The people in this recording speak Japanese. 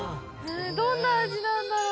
どんな味なんだろう。